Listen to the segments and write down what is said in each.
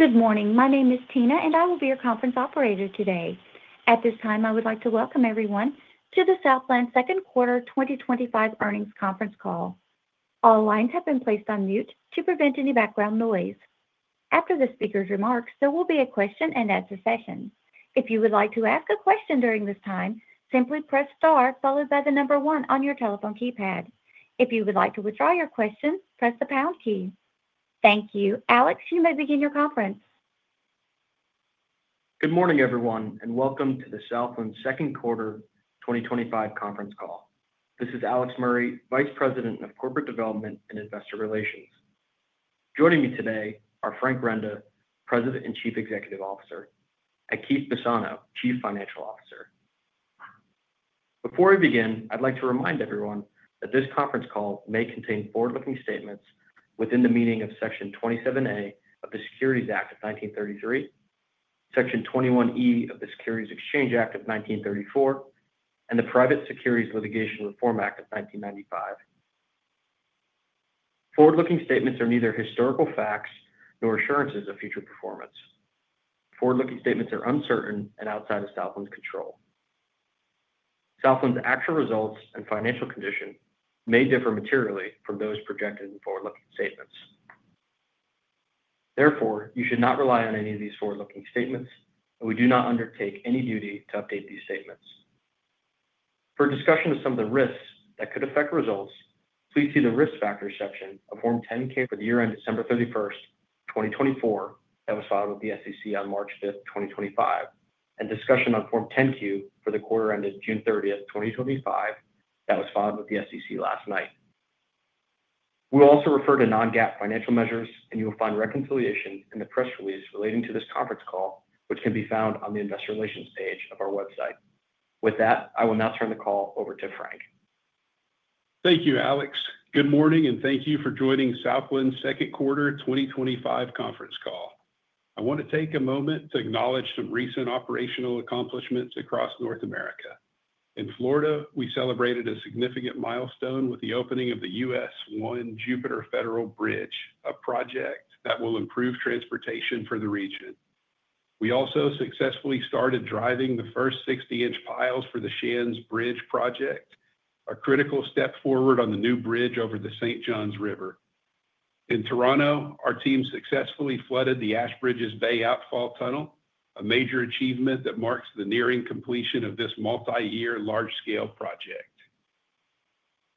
Good morning. My name is Tina, and I will be your conference operator today. At this time, I would like to welcome everyone to the Southland Second Quarter 2025 Earnings Conference Call. All lines have been placed on mute to prevent any background noise. After the speaker's remarks, there will be a question and answer session. If you would like to ask a question during this time, simply press star followed by the number one on your telephone keypad. If you would like to withdraw your question, press the pound key. Thank you. Alex, you may begin your conference. Good morning, everyone, and welcome to the Southland Second Quarter 2025 Conference Call. This is Alex Murray, Vice President of Corporate Development and Investor Relations. Joining me today are Frank Renda, President and Chief Executive Officer, and Keith Bassano, Chief Financial Officer. Before I begin, I'd like to remind everyone that this conference call may contain forward-looking statements within the meaning of Section 27(a) of the Securities Act of 1933, Section 21(e) of the Securities Exchange Act of 1934, and the Private Securities Litigation Reform Act of 1995. Forward-looking statements are neither historical facts nor assurances of future performance. Forward-looking statements are uncertain and outside of Southland's control. Southland's actual results and financial condition may differ materially from those projected in forward-looking statements. Therefore, you should not rely on any of these forward-looking statements, and we do not undertake any duty to update these statements. For a discussion of some of the risks that could affect results, please see the Risk Factors section of Form 10-K for the year-end December 31st, 2024, that was filed with the SEC on March 5th, 2025, and discussion on Form 10-Q for the quarter ended June 30th, 2025, that was filed with the SEC last night. We will also refer to non-GAAP financial measures, and you will find reconciliation in the press release relating to this conference call, which can be found on the Investor Relations page of our website. With that, I will now turn the call over to Frank. Thank you, Alex. Good morning, and thank you for joining Southland Holdings Second Quarter 2025 Conference Call. I want to take a moment to acknowledge some recent operational accomplishments across North America. In Florida, we celebrated a significant milestone with the opening of the US 1 Jupiter Federal Bridge, a project that will improve transportation for the region. We also successfully started driving the first 60 in piles for the Shands Bridge project, a critical step forward on the new bridge over the St. John's River. In Toronto, our team successfully flooded the Ashbridges Bay Outfall Tunnel, a major achievement that marks the nearing completion of this multi-year large-scale project.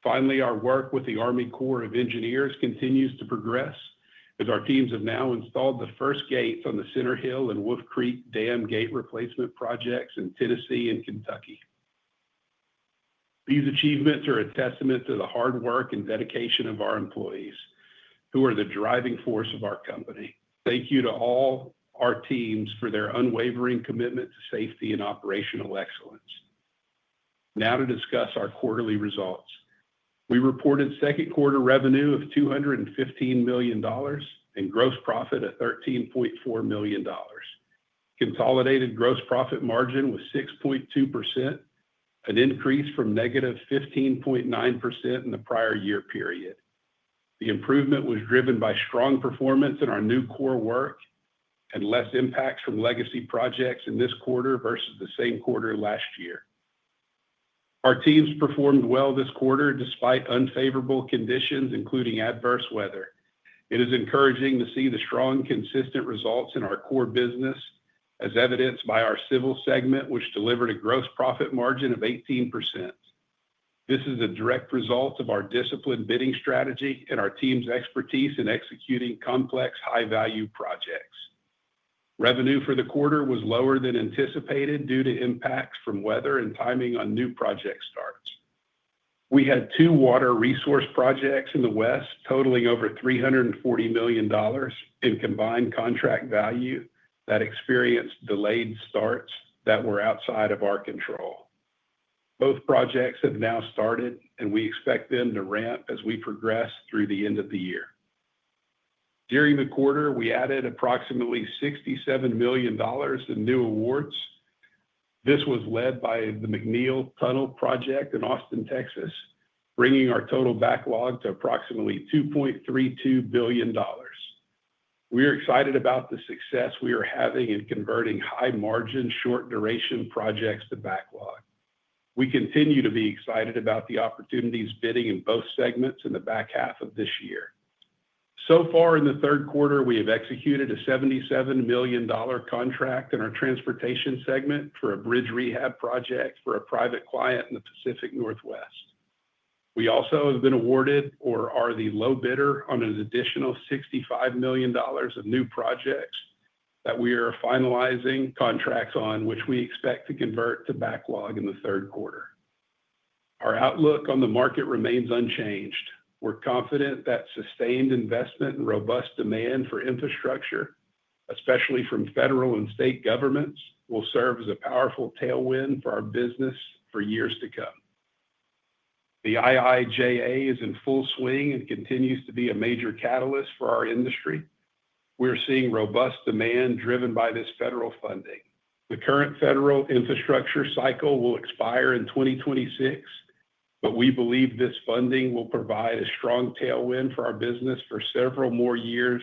Finally, our work with the Army Corps of Engineers continues to progress, as our teams have now installed the first gates on the Cider Hill and Wolf Creek Dam gate replacement projects in Tennessee and Kentucky. These achievements are a testament to the hard work and dedication of our employees, who are the driving force of our company. Thank you to all our teams for their unwavering commitment to safety and operational excellence. Now to discuss our quarterly results. We reported second quarter revenue of $215 million and gross profit of $13.4 million. Consolidated gross profit margin was 6.2%, an increase from -15.9% in the prior year period. The improvement was driven by strong performance in our new core work and less impacts from legacy projects in this quarter versus the same quarter last year. Our teams performed well this quarter despite unfavorable conditions, including adverse weather. It is encouraging to see the strong, consistent results in our core business, as evidenced by our civil segment, which delivered a gross profit margin of 18%. This is a direct result of our disciplined bidding strategy and our team's expertise in executing complex, high-value projects. Revenue for the quarter was lower than anticipated due to impacts from weather and timing on new project starts. We had two water resource projects in the West totaling over $340 million in combined contract value that experienced delayed starts that were outside of our control. Both projects have now started, and we expect them to ramp as we progress through the end of the year. During the quarter, we added approximately $67 million in new awards. This was led by the McNeil Tunnel Project in Austin, Texas, bringing our total backlog to approximately $2.32 billion. We are excited about the success we are having in converting high-margin, short-duration projects to backlog. We continue to be excited about the opportunities bidding in both segments in the back half of this year. So far in the third quarter, we have executed a $77 million contract in our Transportation segment for a bridge rehab project for a private client in the Pacific Northwest. We also have been awarded or are the low bidder on an additional $65 million of new projects that we are finalizing contracts on, which we expect to convert to backlog in the third quarter. Our outlook on the market remains unchanged. We're confident that sustained investment and robust demand for infrastructure, especially from federal and state governments, will serve as a powerful tailwind for our business for years to come. The IIJA is in full swing and continues to be a major catalyst for our industry. We are seeing robust demand driven by this federal funding. The current federal infrastructure cycle will expire in 2026, but we believe this funding will provide a strong tailwind for our business for several more years,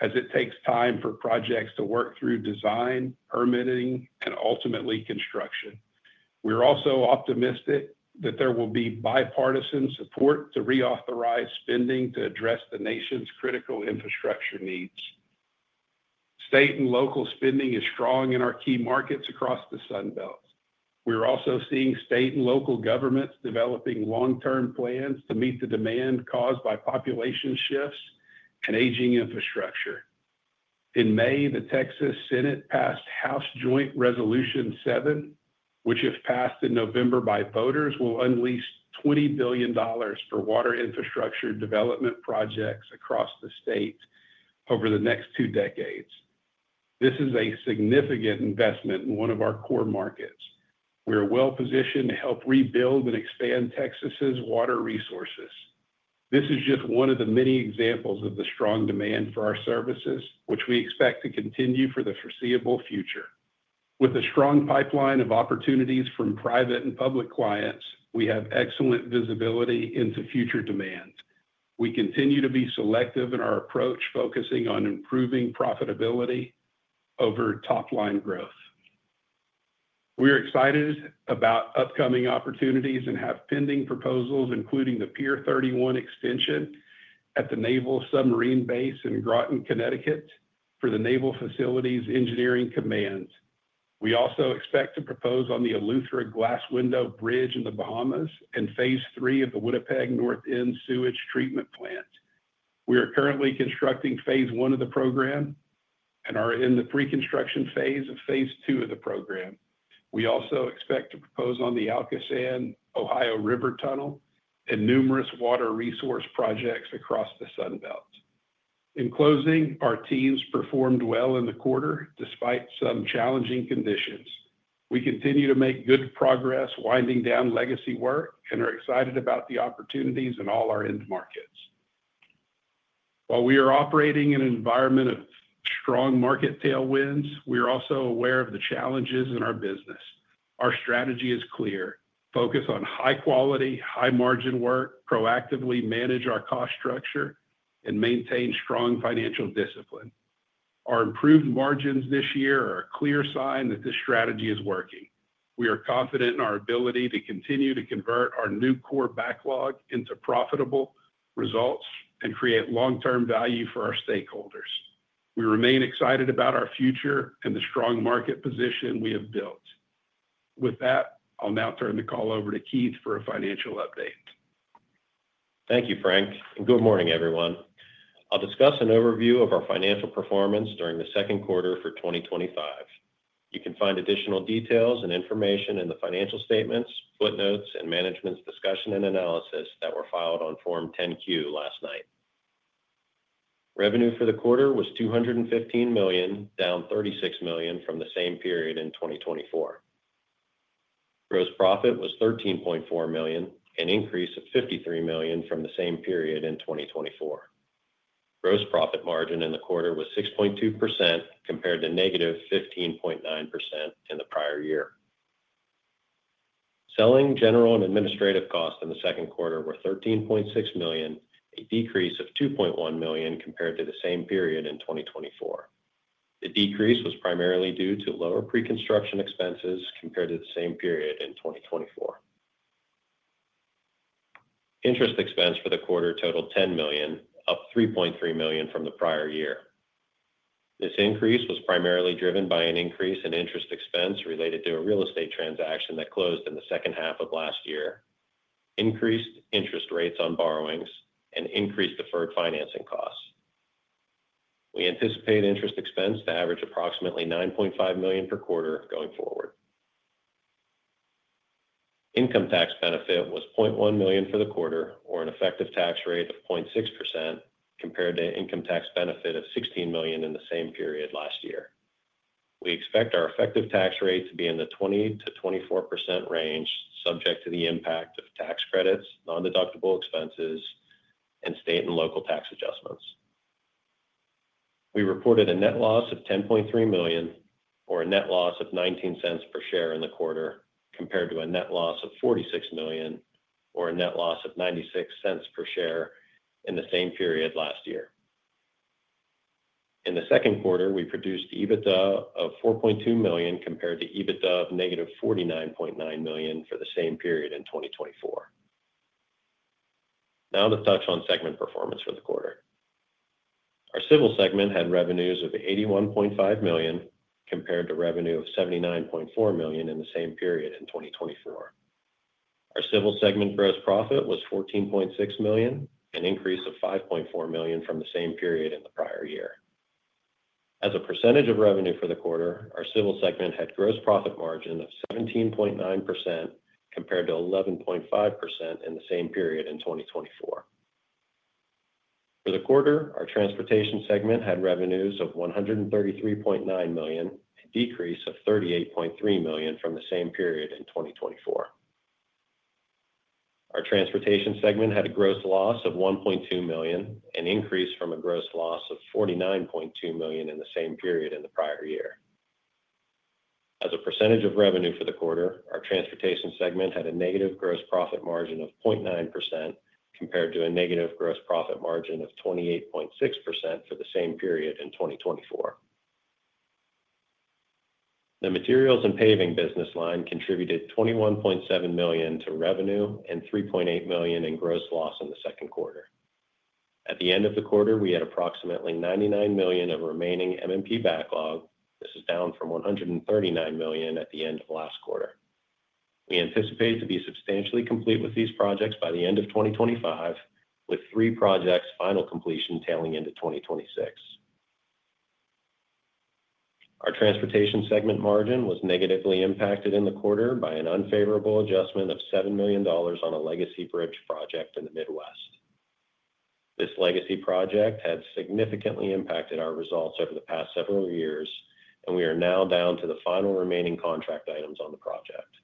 as it takes time for projects to work through design, permitting, and ultimately construction. We are also optimistic that there will be bipartisan support to reauthorize spending to address the nation's critical infrastructure needs. State and local spending is strong in our key markets across the Sunbelt. We are also seeing state and local governments developing long-term plans to meet the demand caused by population shifts and aging infrastructure. In May, the Texas Senate passed House Joint Resolution 7, which, if passed in November by voters, will unleash $20 billion for water infrastructure development projects across the state over the next two decades. This is a significant investment in one of our core markets. We are well positioned to help rebuild and expand Texas's water resources. This is just one of the many examples of the strong demand for our services, which we expect to continue for the foreseeable future. With a strong pipeline of opportunities from private and public clients, we have excellent visibility into future demands. We continue to be selective in our approach, focusing on improving profitability over top-line growth. We are excited about upcoming opportunities and have pending proposals including the Pier 31 extension at the Naval Submarine Base in Groton, Connecticut, for the Naval Facilities Engineering Command. We also expect to propose on the Glass Window Bridge in the Bahamas and Phase 3 of the Winnipeg North End Sewage Treatment Plant. We are currently constructing Phase 1 of the program and are in the pre-construction phase of Phase 2 of the program. We also expect to propose on the ALCOSAN Ohio River Tunnel and numerous water resource projects across the Sunbelt. In closing, our teams performed well in the quarter despite some challenging conditions. We continue to make good progress winding down legacy work and are excited about the opportunities in all our end markets. While we are operating in an environment of strong market tailwinds, we are also aware of the challenges in our business. Our strategy is clear: focus on high-quality, high-margin work, proactively manage our cost structure, and maintain strong financial discipline. Our improved margins this year are a clear sign that this strategy is working. We are confident in our ability to continue to convert our new core backlog into profitable results and create long-term value for our stakeholders. We remain excited about our future and the strong market position we have built. With that, I'll now turn the call over to Keith for a financial update. Thank you, Frank, and good morning, everyone. I'll discuss an overview of our financial performance during the second quarter for 2025. You can find additional details and information in the financial statements, footnotes, and management's discussion and analysis that were filed on Form 10-Q last night. Revenue for the quarter was $215 million, down $36 million from the same period in 2024. Gross profit was $13.4 million, an increase of $53 million from the same period in 2024. Gross profit margin in the quarter was 6.2% compared to -15.9% in the prior year. Selling, general, and administrative costs in the second quarter were $13.6 million, a decrease of $2.1 million compared to the same period in 2024. The decrease was primarily due to lower pre-construction expenses compared to the same period in 2024. Interest expense for the quarter totaled $10 million, up $3.3 million from the prior year. This increase was primarily driven by an increase in interest expense related to a real estate transaction that closed in the second half of last year, increased interest rates on borrowings, and increased deferred financing costs. We anticipate interest expense to average approximately $9.5 million per quarter going forward. Income tax benefit was $0.1 million for the quarter, or an effective tax rate of 0.6% compared to an income tax benefit of $16 million in the same period last year. We expect our effective tax rate to be in the 20%-24% range, subject to the impact of tax credits, non-deductible expenses, and state and local tax adjustments. We reported a net loss of $10.3 million, or a net loss of $0.19 per share in the quarter, compared to a net loss of $46 million, or a net loss of $0.96 per share in the same period last year. In the second quarter, we produced EBITDA of $4.2 million compared to EBITDA of -$49.9 million for the same period in 2024. Now to touch on segment performance for the quarter. Our civil segment had revenues of $81.5 million compared to revenue of $79.4 million in the same period in 2024. Our civil segment gross profit was $14.6 million, an increase of $5.4 million from the same period in the prior year. As a percentage of revenue for the quarter, our civil segment had gross profit margin of 17.9% compared to 11.5% in the same period in 2024. For the quarter, our transportation segment had revenues of $133.9 million, a decrease of $38.3 million from the same period in 2024. Our transportation segment had a gross loss of $1.2 million, an increase from a gross loss of $49.2 million in the same period in the prior year. As a percentage of revenue for the quarter, our transportation segment had a negative gross profit margin of 0.9% compared to a negative gross profit margin of 28.6% for the same period in 2024. The materials and paving business line contributed $21.7 million to revenue and $3.8 million in gross loss in the second quarter. At the end of the quarter, we had approximately $99 million of remaining M&P backlog. This is down from $139 million at the end of last quarter. We anticipate to be substantially complete with these projects by the end of 2025, with three projects final completion tailing into 2026. Our transportation segment margin was negatively impacted in the quarter by an unfavorable adjustment of $7 million on a legacy bridge project in the Midwest. This legacy project had significantly impacted our results over the past several years, and we are now down to the final remaining contract items on the project.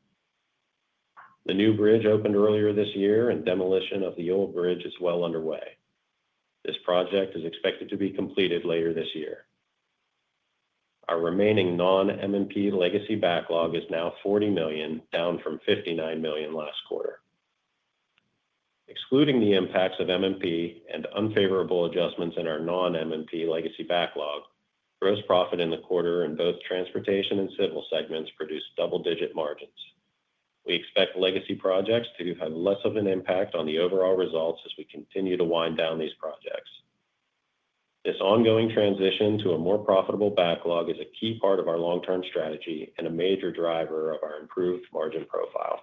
The new bridge opened earlier this year, and demolition of the old bridge is well underway. This project is expected to be completed later this year. Our remaining non-M&P legacy backlog is now $40 million, down from $59 million last quarter. Excluding the impacts of M&P and unfavorable adjustments in our non-M&P legacy backlog, gross profit in the quarter in both transportation and civil segments produced double-digit margins. We expect legacy projects to have less of an impact on the overall results as we continue to wind down these projects. This ongoing transition to a more profitable backlog is a key part of our long-term strategy and a major driver of our improved margin profile.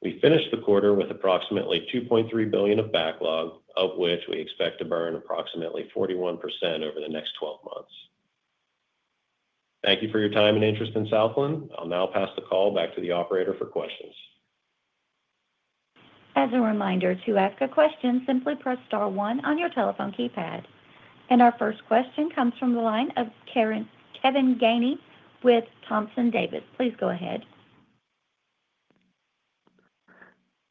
We finished the quarter with approximately $2.3 billion of backlog, of which we expect to burn approximately 41% over the next 12 months. Thank you for your time and interest in Southland. I'll now pass the call back to the operator for questions. As a reminder, to ask a question, simply press star one on your telephone keypad. Our first question comes from the line of Kevin Gainey with Thompson Davis. Please go ahead.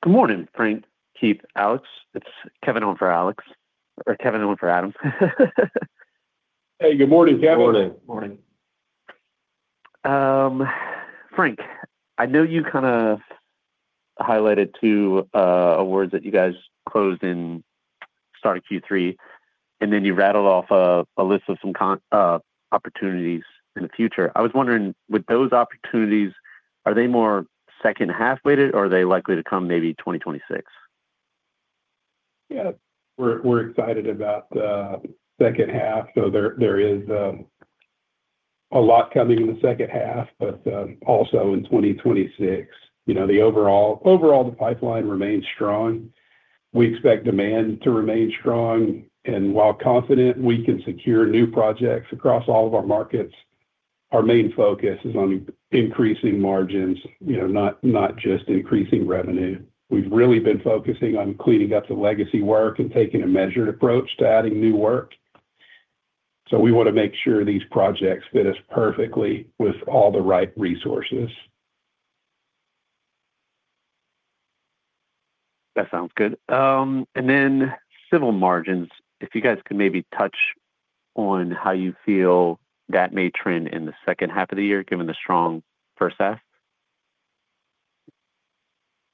Good morning, Frank, Keith, Alex. It's Kevin over for Adam. Hey, good morning, Kevin. Good morning. Morning. Frank, I know you kind of highlighted two awards that you guys closed in the start of Q3, and then you rattled off a list of some opportunities in the future. I was wondering, with those opportunities, are they more second-half weighted, or are they likely to come maybe 2026? Yeah, we're excited about the second half. There is a lot coming in the second half, but also in 2026. The overall pipeline remains strong. We expect demand to remain strong. While confident we can secure new projects across all of our markets, our main focus is on increasing margins, not just increasing revenue. We've really been focusing on cleaning up the legacy work and taking a measured approach to adding new work. We want to make sure these projects fit us perfectly with all the right resources. That sounds good. If you guys could maybe touch on how you feel civil margins may trend in the second half of the year, given the strong first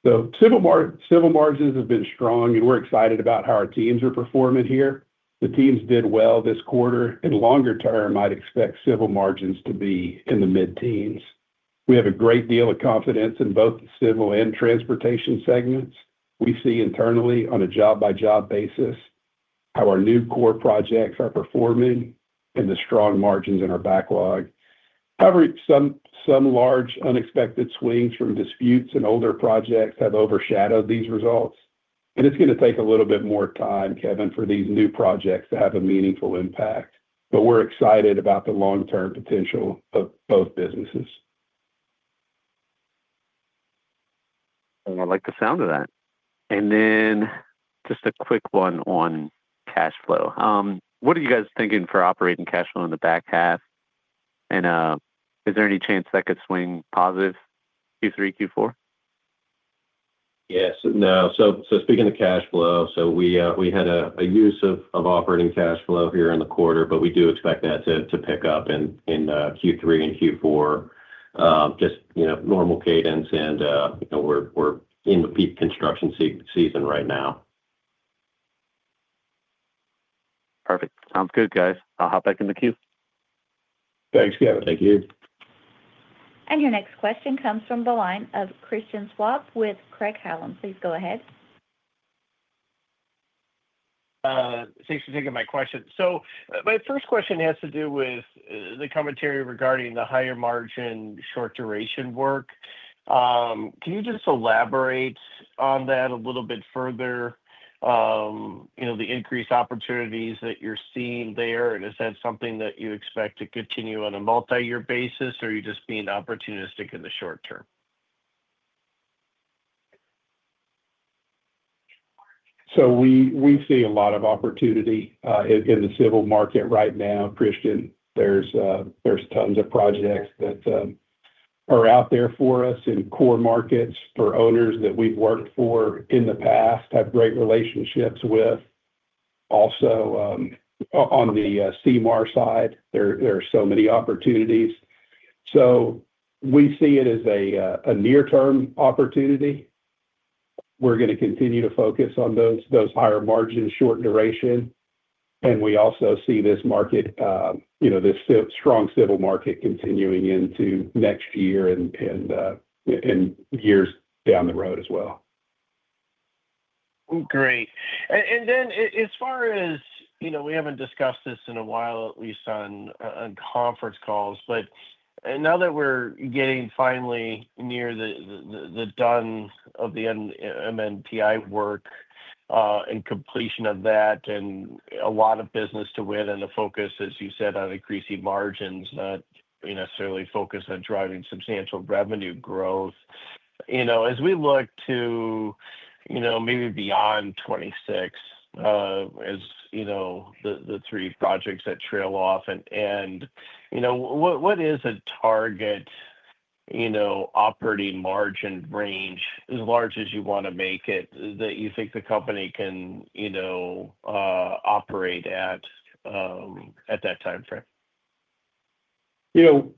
half. Civil margins have been strong, and we're excited about how our teams are performing here. The teams did well this quarter, and longer term, I'd expect civil margins to be in the mid-teens. We have a great deal of confidence in both the civil and transportation segments. We see internally, on a job-by-job basis, how our new core projects are performing and the strong margins in our backlog. However, some large unexpected swings from disputes and older projects have overshadowed these results. It's going to take a little bit more time, Kevin, for these new projects to have a meaningful impact. We're excited about the long-term potential of both businesses. I like the sound of that. Just a quick one on cash flow. What are you guys thinking for operating cash flow in the back half? Is there any chance that could swing positive Q3, Q4? Yes. Speaking of cash flow, we had a use of operating cash flow here in the quarter, but we do expect that to pick up in Q3 and Q4, just, you know, normal cadence. We're in the peak construction season right now. Perfect. Sounds good, guys. I'll hop back in the queue. Thanks, Kevin. Thank you. Your next question comes from the line of Christian Schwab with Craig-Hallum Capital Group. Please go ahead. Thanks for taking my question. My first question has to do with the commentary regarding the higher margin short duration work. Can you just elaborate on that a little bit further? The increased opportunities that you're seeing there, and is that something that you expect to continue on a multi-year basis, or are you just being opportunistic in the short term? We see a lot of opportunity in the civil market right now, Christian. There are tons of projects that are out there for us in core markets for owners that we've worked for in the past, have great relationships with. Also, on the CMAR side, there are so many opportunities. We see it as a near-term opportunity. We're going to continue to focus on those higher margin short duration. We also see this market, this strong civil market, continuing into next year and years down the road as well. Great. As far as, you know, we haven't discussed this in a while, at least on conference calls, now that we're getting finally near the done of the MMPI work and completion of that and a lot of business to win, and the focus, as you said, on increasing margins, not necessarily focused on driving substantial revenue growth. As we look to, you know, maybe beyond 2026, as you know, the three projects that trail off, what is a target, you know, operating margin range, as large as you want to make it, that you think the company can, you know, operate at that timeframe? You know,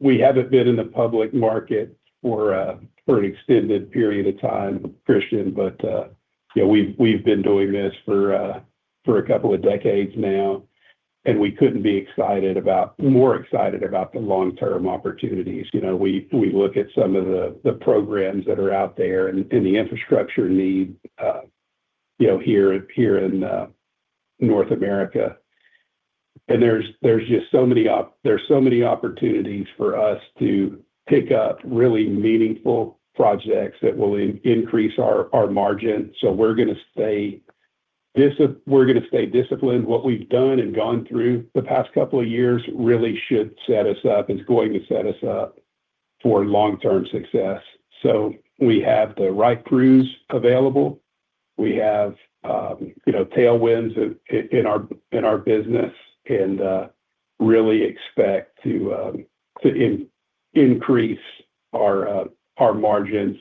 we haven't been in the public market for an extended period of time, Christian, but we've been doing this for a couple of decades now. We couldn't be more excited about the long-term opportunities. We look at some of the programs that are out there and the infrastructure need here in North America. There are just so many opportunities for us to pick up really meaningful projects that will increase our margin. We're going to stay disciplined. What we've done and gone through the past couple of years really should set us up, is going to set us up for long-term success. We have the right crews available. We have tailwinds in our business and really expect to increase our margins,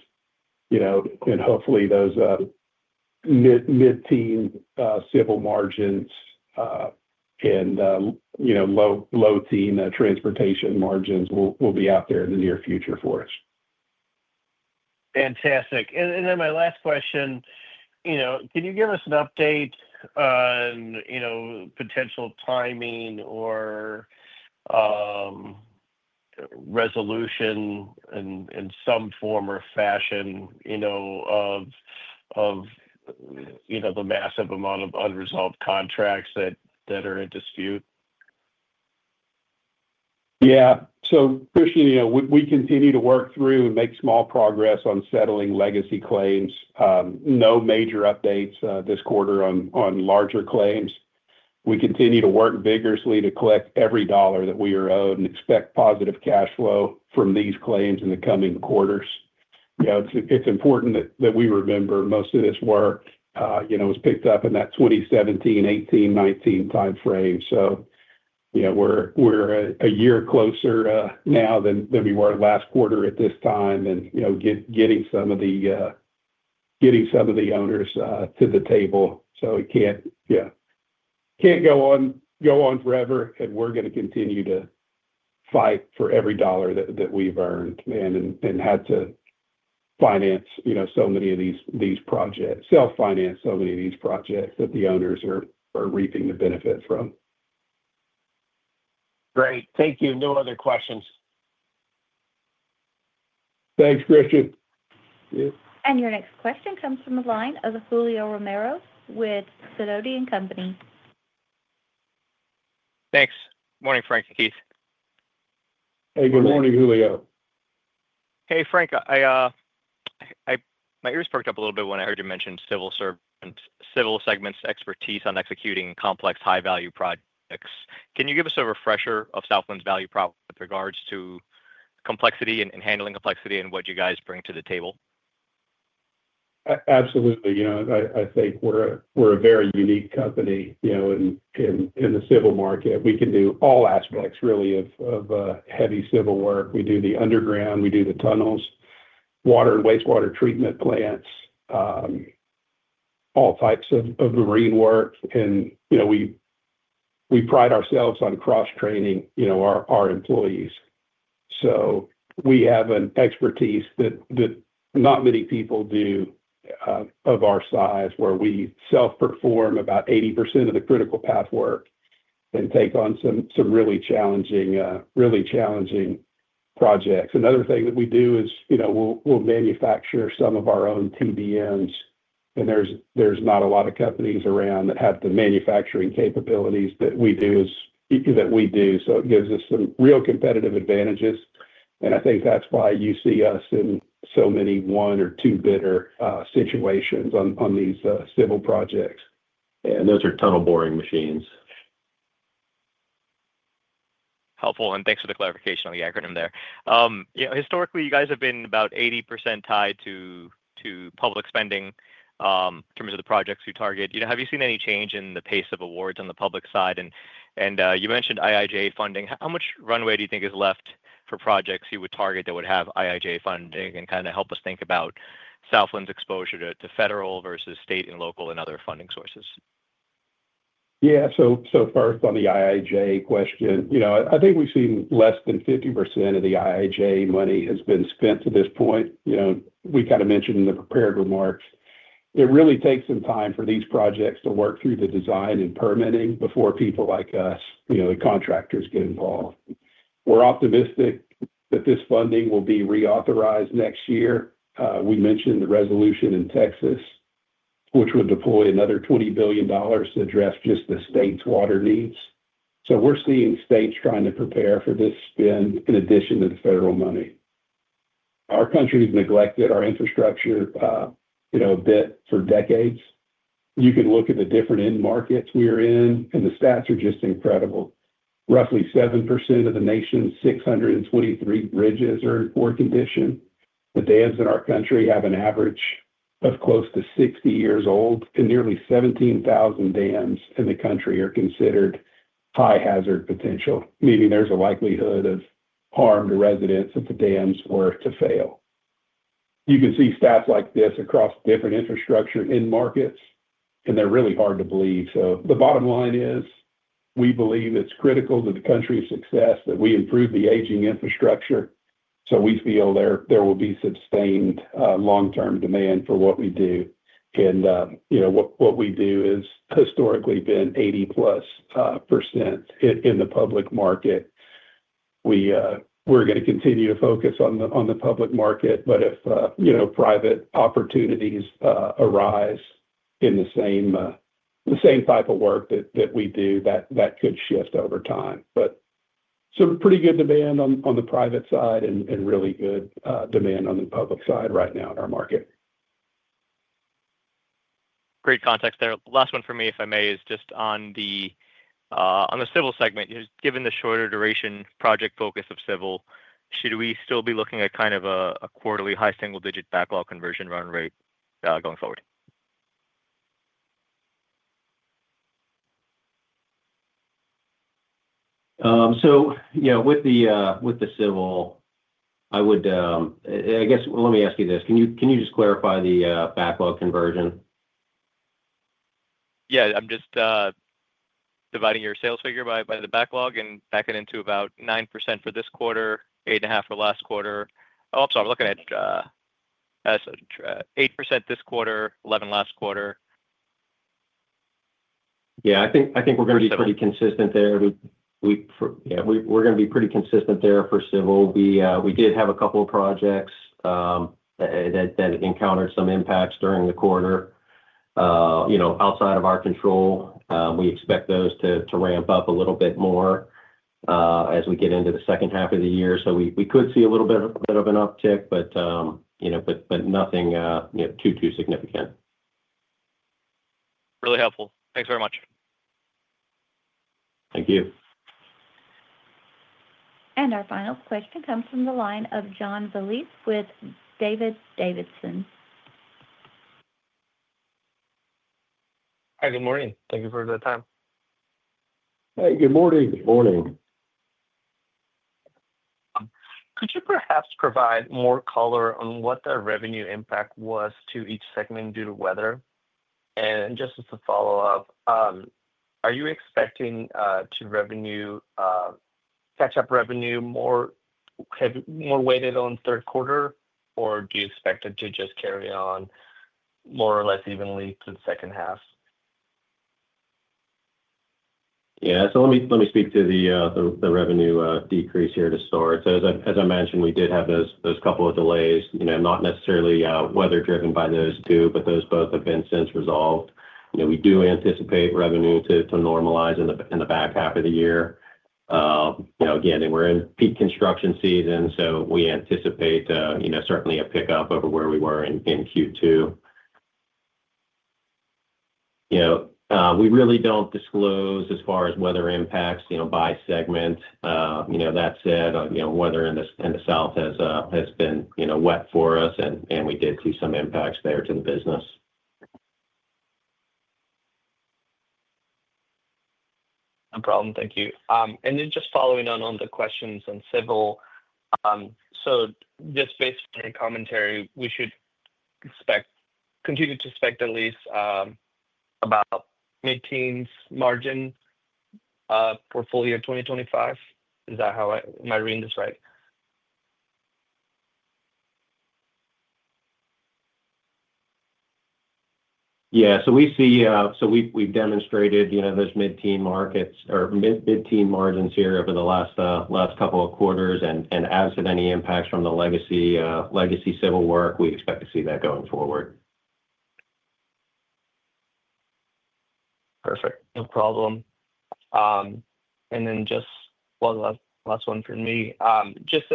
and hopefully those mid-teen civil margins and low-teen transportation margins will be out there in the near future for us. Fantastic. My last question, can you give us an update on potential timing or resolution in some form or fashion of the massive amount of unresolved contracts that are in dispute? Yeah. Christian, we continue to work through and make small progress on settling legacy claims. No major updates this quarter on larger claims. We continue to work vigorously to collect every dollar that we are owed and expect positive cash flow from these claims in the coming quarters. It's important that we remember most of this work was picked up in that 2017, 2018, 2019 timeframe. We're a year closer now than we were last quarter at this time and getting some of the owners to the table. It can't go on forever, and we're going to continue to fight for every dollar that we've earned and had to finance, self-finance so many of these projects that the owners are reaping the benefits from. Great. Thank you. No other questions. Thanks, Christian. Your next question comes from the line of Julio Romero with Sidoti & Company. Thanks. Morning, Frank, Keith. Hey, good morning, Julio. Hey, Frank, my ears perked up a little bit when I heard you mention Civil segment's expertise on executing complex high-value projects. Can you give us a refresher of Southland's value prop with regards to complexity and handling complexity and what you guys bring to the table? Absolutely. I think we're a very unique company in the civil market. We can do all aspects, really, of heavy civil work. We do the underground, we do the tunnels, water and wastewater treatment plants, all types of marine work. We pride ourselves on cross-training our employees. We have an expertise that not many people do of our size, where we self-perform about 80% of the critical path work and take on some really challenging, really challenging projects. Another thing that we do is we'll manufacture some of our own TBMs, and there's not a lot of companies around that have the manufacturing capabilities that we do. It gives us some real competitive advantages. I think that's why you see us in so many one or two bidder situations on these civil projects. Those are tunnel boring machines. Helpful. Thanks for the clarification on the acronym there. Historically, you guys have been about 80% tied to public spending in terms of the projects you target. Have you seen any change in the pace of awards on the public side? You mentioned IIJA funding. How much runway do you think is left for projects you would target that would have IIJA funding, and help us think about Southland's exposure to federal versus state and local and other funding sources? Yeah. First on the IIJA question, I think we've seen less than 50% of the IIJA money has been spent to this point. We kind of mentioned in the prepared remarks, it really takes some time for these projects to work through the design and permitting before people like us, the contractors, get involved. We're optimistic that this funding will be reauthorized next year. We mentioned the resolution in Texas, which would deploy another $20 billion to address just the state's water needs. We're seeing states trying to prepare for this spend in addition to the federal money. Our country has neglected our infrastructure a bit for decades. You can look at the different end markets we are in, and the stats are just incredible. Roughly 7% of the nation's 623,000 bridges are in poor condition. The dams in our country have an average of close to 60 years old, and nearly 17,000 dams in the country are considered high hazard potential, meaning there's a likelihood of harm to residents if the dams were to fail. You can see stats like this across different infrastructure and end markets, and they're really hard to believe. The bottom line is, we believe it's critical to the country's success that we improve the aging infrastructure. We feel there will be sustained long-term demand for what we do. What we do has historically been 80%+ in the public market. We're going to continue to focus on the public market, but if private opportunities arise in the same type of work that we do, that could shift over time. There is some pretty good demand on the private side and really good demand on the public side right now in our market. Great context there. Last one for me, if I may, is just on the civil segment. Given the shorter duration project focus of civil, should we still be looking at kind of a quarterly high single-digit backlog conversion run rate going forward? With the civil, I would, I guess, let me ask you this. Can you just clarify the backlog conversion? Yeah, I'm just dividing your sales figure by the backlog and backing it into about 9% for this quarter, 8.5% for last quarter. Oh, I'm sorry. I'm looking at 8% this quarter, 11% last quarter. Yeah, I think we're going to be pretty consistent there. Yeah, we're going to be pretty consistent there for civil. We did have a couple of projects that encountered some impacts during the quarter, you know, outside of our control. We expect those to ramp up a little bit more as we get into the second half of the year. We could see a little bit of an uptick, but nothing too, too significant. Really helpful. Thanks very much. Thank you. Our final question comes from the line of John Valise with David Davidson. Hi. Good morning. Thank you for the time. Hey, good morning. Good morning. Could you perhaps provide more color on what the revenue impact was to each segment due to weather? Just as a follow-up, are you expecting to catch up revenue more heavy, more weighted on the third quarter, or do you expect it to just carry on more or less evenly through the second half? Let me speak to the revenue decrease here to start. As I mentioned, we did have those couple of delays. Not necessarily weather-driven by those two, but those both have been since resolved. We do anticipate revenue to normalize in the back half of the year. Again, we're in peak construction season, so we anticipate certainly a pickup over where we were in Q2. We really don't disclose as far as weather impacts by segment. That said, weather in the south has been wet for us, and we did see some impacts there to the business. No problem. Thank you. Just following on the questions on civil, based on your commentary, we should expect to continue to expect at least about mid-teens margin portfolio 2025. Is that how I might read this right? Yeah, we've demonstrated, you know, those mid-teen margins here over the last couple of quarters. As with any impacts from the legacy civil work, we expect to see that going forward. Perfect. No problem. Just the last one for me. Just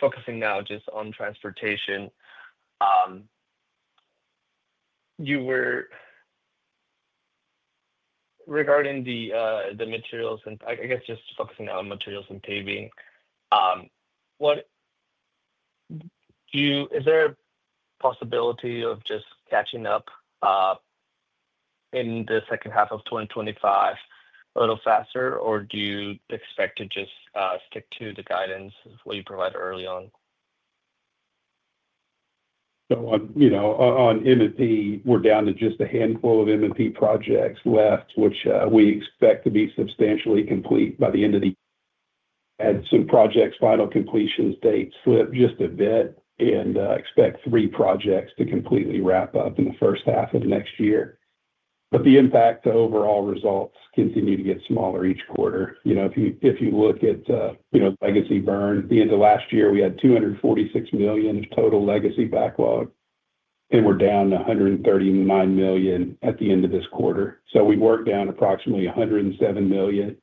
focusing now just on transportation, you were regarding the materials and I guess just focusing on materials and paving. What do you, is there a possibility of just catching up in the second half of 2025 a little faster, or do you expect to just stick to the guidance of what you provided early on? On M&P, we're down to just a handful of M&P projects left, which we expect to be substantially complete by the end of the year. Some projects' final completion dates slip just a bit, and I expect three projects to completely wrap up in the first half of next year. The impact to overall results continues to get smaller each quarter. If you look at legacy burns, at the end of last year, we had $246 million total legacy backlog, and we're down to $139 million at the end of this quarter. We were down approximately $107 million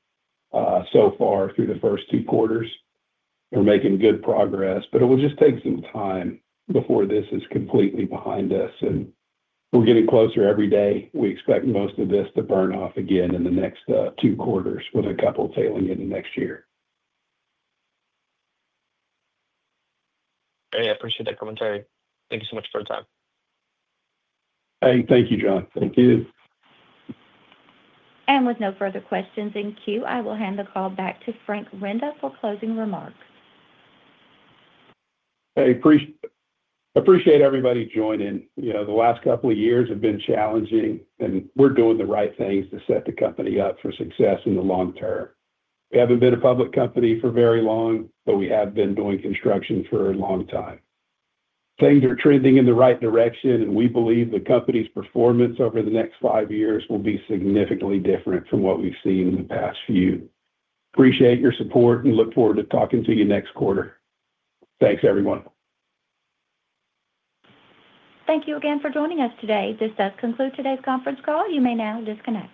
so far through the first two quarters. We're making good progress, but it will just take some time before this is completely behind us. We're getting closer every day. We expect most of this to burn off again in the next two quarters with a couple tailing into next year. Hey, I appreciate that commentary. Thank you so much for your time. Hey, thank you, John. Thank you. With no further questions in queue, I will hand the call back to Frank Renda for closing remarks. Hey, I appreciate everybody joining. The last couple of years have been challenging, and we're doing the right things to set the company up for success in the long term. We haven't been a public company for very long, but we have been doing construction for a long time. Things are trending in the right direction, and we believe the company's performance over the next five years will be significantly different from what we've seen in the past few. Appreciate your support and look forward to talking to you next quarter. Thanks, everyone. Thank you again for joining us today. This does conclude today's conference call. You may now disconnect.